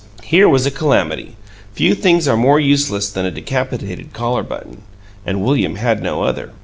Here was a calamity; few things are more useless than a decapitated collar button, and William had no other.